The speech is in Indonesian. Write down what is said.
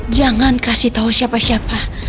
jangan kasih tahu siapa siapa